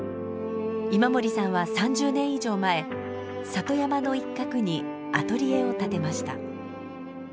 今森さんは３０年以上前里山の一角にアトリエを建てました。